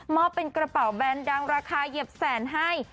อบเป็นกระเป๋าแบรนด์ดังราคาเหยียบแสนให้